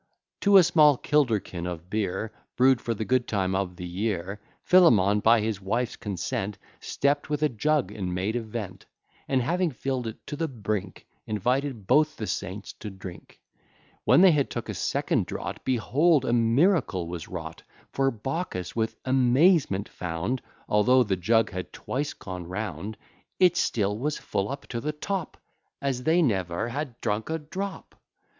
To a small kilderkin of beer, Brew'd for the good time of the year, Philemon, by his wife's consent, Stept with a jug, and made a vent, And having fill'd it to the brink, Invited both the saints to drink. When they had took a second draught, Behold, a miracle was wrought; For, Baucis with amazement found, Although the jug had twice gone round, It still was full up to the top, As they ne'er had drunk a drop.